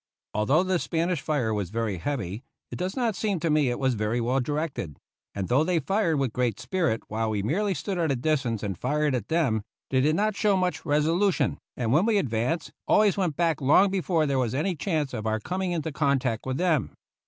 Although the Spanish fire was very heavy, it does not seem to me it was very well directed ; and though they fired with great spirit while we merely stood at a distance and fired at them, they did not show much resolution, and when we advanced, always went back long before there was any chance of our coming into contact with them.